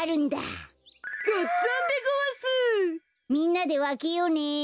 みんなでわけようね。